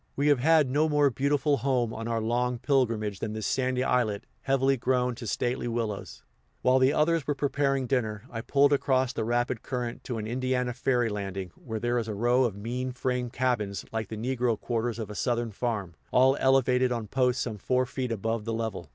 We have had no more beautiful home on our long pilgrimage than this sandy islet, heavily grown to stately willows. While the others were preparing dinner, I pulled across the rapid current to an Indiana ferry landing, where there is a row of mean frame cabins, like the negro quarters of a Southern farm, all elevated on posts some four feet above the level.